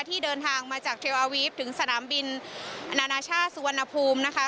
ที่เดินทางมาจากเทลอาวีฟถึงสนามบินอนาชาติสุวรรณภูมินะคะ